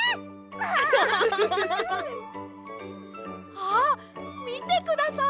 あっみてください！